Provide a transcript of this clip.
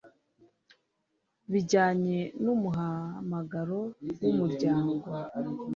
bijyanye n umuhamagaro w umuryango